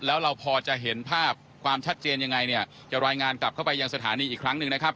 แล้วเราพอจะเห็นภาพความชัดเจนยังไงเนี่ยจะรายงานกลับเข้าไปยังสถานีอีกครั้งหนึ่งนะครับ